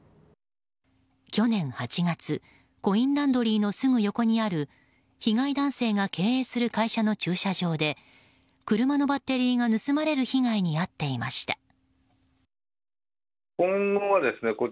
去年８月、コインランドリーのすぐ横にある被害男性が経営する会社の駐車場で車のバッテリーが盗まれる被害に遭っていました。